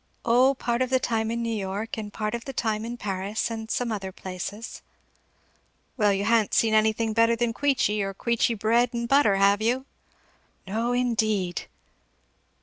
"O part of the time in New York, and part of the time in Paris, and some other places." "Well you ha'n't seen anything better than Queechy, or Queechy bread and butter, have you?" "No indeed!"